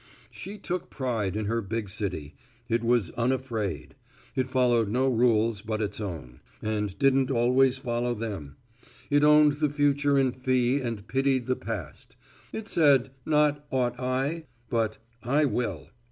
She took pride in her big city. It was unafraid. It followed no rules but its own, and didn't always follow them. It owned the future in fee and pitied the past. It said, not "Ought I?" but "I will."